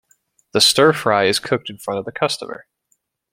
The stir fry is cooked in front of the customer.